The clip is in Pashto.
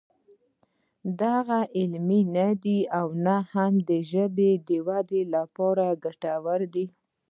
هغه نه علمي دی او نه هم د ژبې د ودې لپاره ګټور دی